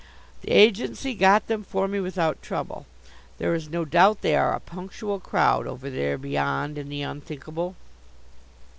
The agency got them for me without trouble. There is no doubt they are a punctual crowd, over there beyond in the Unthinkable.